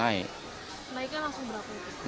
naiknya langsung berapa